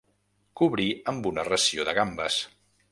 Cobrir amb una ració de gambes.